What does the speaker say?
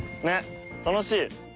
ねっ楽しい。